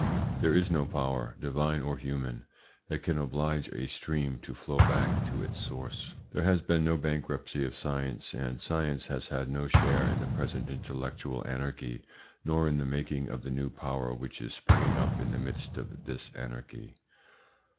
There is no power, Divine or human, that can oblige a stream to flow back to its source. There has been no bankruptcy of science, and science has had no share in the present intellectual anarchy, nor in the making of the new power which is springing up in the midst of this anarchy.